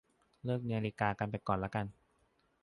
เลือกนาฬิกาไปก่อนละกัน